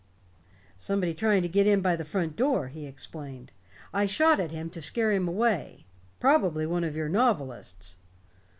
"Somebody trying to get in by the front door," he explained. "I shot at him to scare him away. Probably one of your novelists."